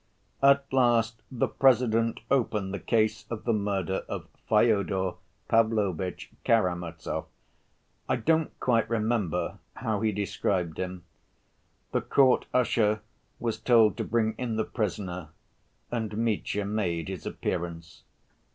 At last the President opened the case of the murder of Fyodor Pavlovitch Karamazov. I don't quite remember how he described him. The court usher was told to bring in the prisoner, and Mitya made his appearance.